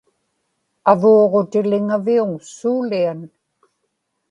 avuuġutiliŋaviuŋ suulian